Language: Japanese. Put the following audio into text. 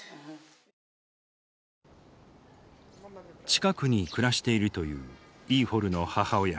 近くに暮らしているというイーホルの母親。